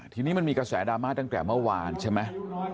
ทีนี้มันมีกระแสดราม่าตั้งแต่เมื่อวานใช่ไหม